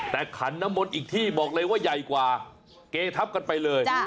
แต่ขันน้ำมนต์อีกที่บอกเลยว่าใหญ่กว่าเกทับกันไปเลย